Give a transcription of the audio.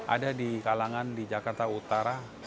ada di kalangan di jakarta utara